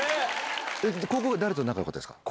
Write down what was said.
高校誰と仲良かったですか？